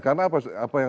karena apa yang